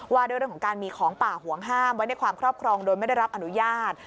ว่าด้วยเรื่องของการมีของป่าห่วงห้ามไว้ในความครอบครองโดยไม่ได้รับอนุญาต